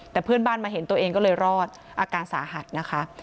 แต่เพื่อนบ้านมาเห็นตัวเองก็เลยรอดอาการสาหัสนะคะ